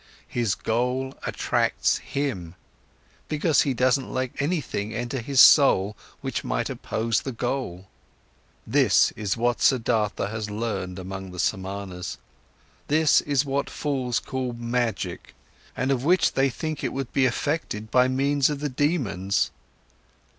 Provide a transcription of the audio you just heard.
His goal attracts him, because he doesn't let anything enter his soul which might oppose the goal. This is what Siddhartha has learned among the Samanas. This is what fools call magic and of which they think it would be effected by means of the daemons.